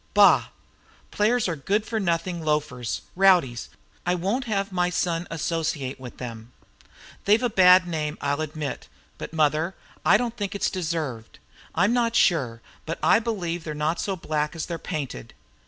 "Bah. Players are good for nothing loafers, rowdies. I won't have my son associate with them." "They've a bad name, I'll admit; but, mother, I don't think it's deserved. I'm not sure, but I believe they're not so black as they are painted.